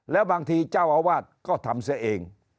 แล้วบางทีเจ้าอาวาสก็ทำเสียเอง